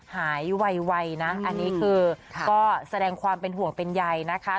หายไวนะอันนี้คือก็แสดงความเป็นห่วงเป็นใยนะคะ